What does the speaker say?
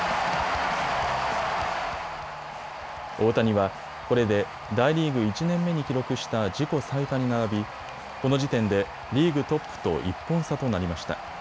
大谷はこれで大リーグ１年目に記録した自己最多に並び、この時点でリーグトップと１本差となりました。